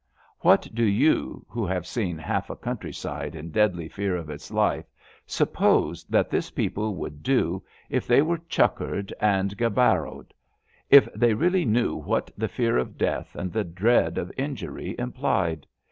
What do you, who have seen half a country side in deadly fear of its life, suppose that this people would do if they were chukkered and gdbraowed? If they really knew what the fear of death and the dread of injury implied?